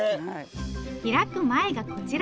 開く前がこちら。